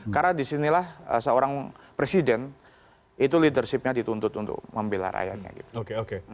karena disinilah seorang presiden itu leadership nya dituntut untuk mempilar rakyatnya